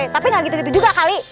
tapi gak gitu gitu juga kali